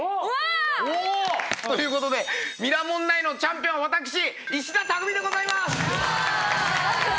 お！ということで『ミラモン』内のチャンピオンは私石田たくみでございます！